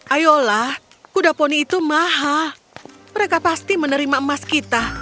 ayolah kuda poni itu maha mereka pasti menerima emas kita